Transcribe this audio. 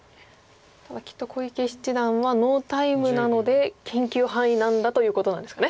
ただきっと小池七段はノータイムなので研究範囲なんだということなんですかね。